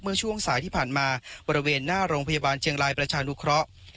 ช่วงสายที่ผ่านมาบริเวณหน้าโรงพยาบาลเชียงรายประชานุเคราะห์